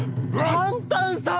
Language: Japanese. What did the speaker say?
パンタンさん